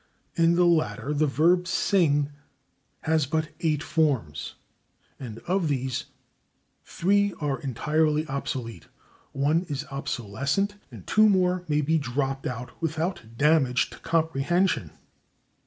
In the latter the verb /sing/ has but eight forms, and of these three are entirely obsolete, one is obsolescent, and two more may be dropped out without damage to comprehension.